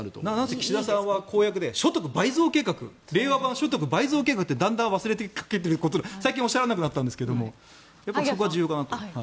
岸田さんは公約で令和版所得倍増計画って忘れかけていることで最近言わなくなったんですがそこは重要かなと。